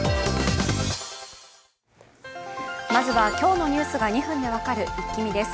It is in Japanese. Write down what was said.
まず今日のニュースが２分で分かるイッキ見です。